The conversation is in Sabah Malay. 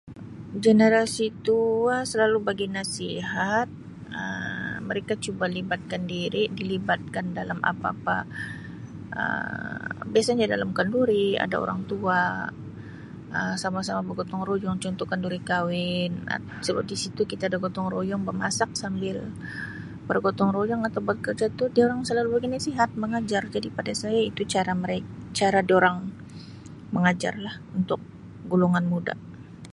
Generasi tua selalu bagi nasihat Um mereka cuba libatkan diri dilibatkan dalam apa-apa Um. Biasanya dalam kenduri ada orang tua Um sama-sama bergotong royong contoh kenduri kawin Um sebab di situ kita ada gotong royong bemasak sambil bergotong royong atau bekerja tu durang selalu bagi nasihat, mengajar. Jadi pada saya itu cara mere-cara durang mengajarlah untuk golongan muda.